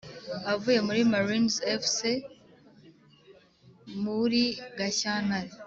avuye muri marines fc muri gashyantare